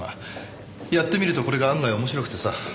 やってみるとこれが案外面白くてさ。